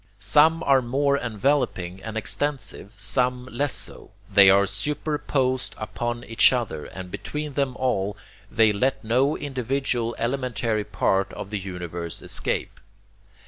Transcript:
Some are more enveloping and extensive, some less so; they are superposed upon each other; and between them all they let no individual elementary part of the universe escape.